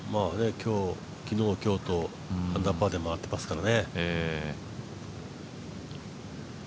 昨日、今日とアンダーパーで回ってますからね。